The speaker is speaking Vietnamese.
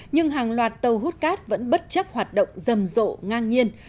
nhưng hàng loạt tàu hút cát vẫn bất chấp hoạt động rầm rộ ngang nhiên